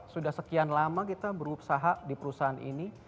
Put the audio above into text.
sudah sekian lama kita berusaha di perusahaan ini